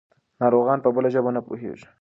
ناروغان په بله ژبه نه پوهېږي.